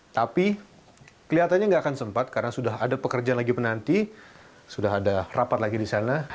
tapi kelihatannya nggak akan sempat karena sudah ada pekerjaan lagi penanti sudah ada rapat lagi di sana